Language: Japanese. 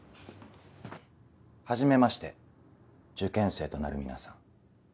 はじめまして受験生となる皆さん。